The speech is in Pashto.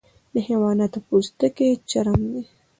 د حیواناتو پوستکی چرم دی